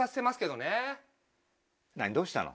どうしたの？